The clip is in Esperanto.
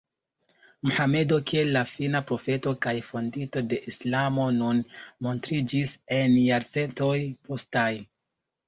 Mohamedo kiel la Fina Profeto kaj fondinto de islamo nur montriĝis en jarcentoj postaj.